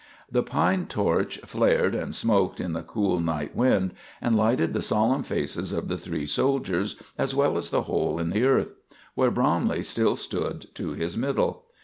The pine torch flared and smoked in the cool night wind, and lighted the solemn faces of the three soldiers as well as the hole in the earth, where Bromley still stood to his middle.